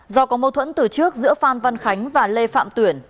do có mâu thuẫn từ trước giữa phan văn khánh và lê phạm tuyển